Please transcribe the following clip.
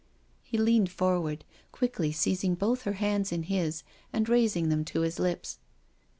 He leaned forward, quickly seizing both her hands in his and raising them to his lips.